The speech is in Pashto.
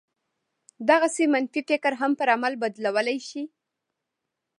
دغسې منفي فکر هم پر عمل بدلولای شي